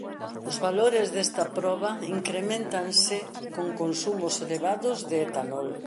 Os valores desta proba increméntanse con consumos elevados de etanol.